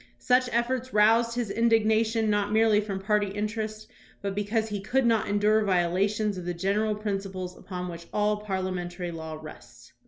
Such efforts roused his indignation not merely from party interest, but because he could not endure viola tions of the general principles upon which all parlia mentary law rests.